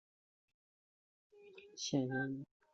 现效力于俄克拉何马城雷霆。